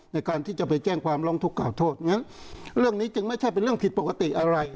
ในการที่จะไปแจ้งความร้องทุกข่าโทษงั้นเรื่องนี้จึงไม่ใช่เป็นเรื่องผิดปกติอะไร